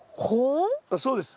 そうです。